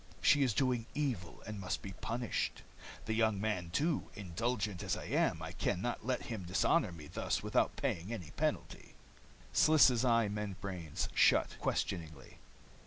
She is doing evil, and must be punished. The young man, too indulgent as I am, I can not let him dishonor me thus without paying any penalty." Sliss' eye membranes shut, questioningly.